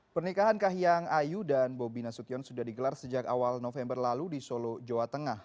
pernikahan kahiyang ayu dan bobi nasution sudah digelar sejak awal november lalu di solo jawa tengah